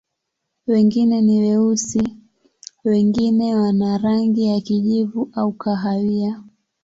Wengine ni weusi, wengine wana rangi ya kijivu au kahawia.